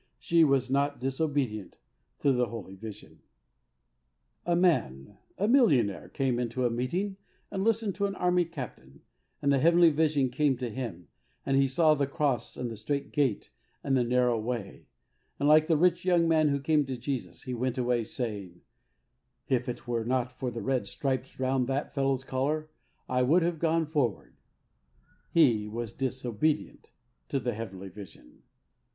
She was not disobedient to the heavenly vision. ^T. PAUi. A PATTERN. 45 A man, a millionaire, came into a meeting and listened to an Army Captain, and the heavenly vision came to him, and he saw the Cross, and the strait gate," and the " narrow way," and like the rich young man who came to Jesus, he went away, saying, it were not for the red stripes round that fellow's collar I would have gone forward." He was disobedient to the heavenly vision.